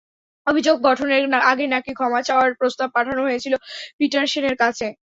অভিযোগ গঠনের আগে নাকি ক্ষমা চাওয়ার প্রস্তাব পাঠানো হয়েছিল পিটারসেনের কাছে।